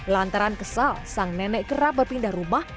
lantaran kesal sang nenek kerap berpindah rumah